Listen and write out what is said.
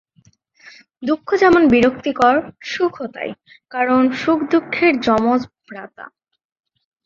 দুঃখ যেমন বিরক্তিকর, সুখও তাই, কারণ সুখ দুঃখের যমজ ভ্রাতা।